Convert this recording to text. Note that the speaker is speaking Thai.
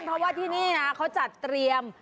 เพราะว่าที่นี่นะเขาจัดเตรียม